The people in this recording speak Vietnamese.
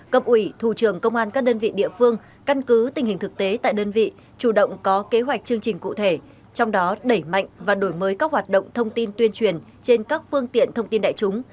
cập ủy thủ trường công an các đơn vị địa phương căn cứ tình hình thực tế tại đơn vị chủ động có kế hoạch chương trình cụ thể trong đó đẩy mạnh và đổi mới các hoạt động thông tin tuyên truyền trên các phương tiện thông tin đại chúng